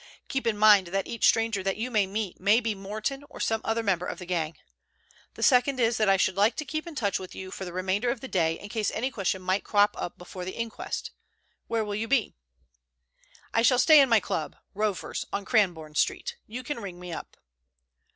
Keep in mind that each stranger that you may meet may be Morton or some other member of the gang. The second is that I should like to keep in touch with you for the remainder of the day in case any question might crop up before the inquest. Where will you be?" "I shall stay in my club, Rover's, in Cranbourne Street. You can ring me up."